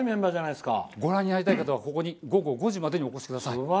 ご覧になりたい方はここに午後５時５分までにお越しください。